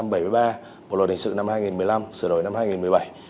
bộ lội đình sự năm hai nghìn một mươi năm sửa đổi năm hai nghìn một mươi bảy